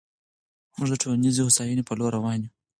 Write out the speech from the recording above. موږ د ټولنیزې هوساینې په لور روان یو.